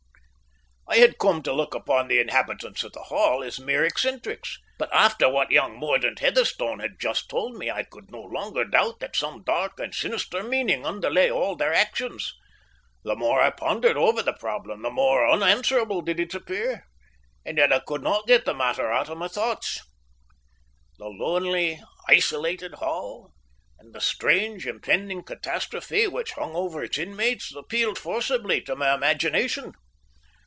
I had come to look upon the inhabitants of the Hall as mere eccentrics, but after what young Mordaunt Heatherstone had just told me, I could no longer doubt that some dark and sinister meaning underlay all their actions. The more I pondered over the problem, the more unanswerable did it appear, and yet I could not get the matter out of my thoughts. The lonely, isolated Hall, and the strange, impending catastrophe which hung over its inmates, appealed forcibly to my imagination.